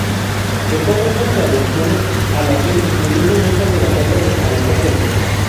Dejó muchas traducciones al latín, incluyendo muchas de las obras de Aristóteles.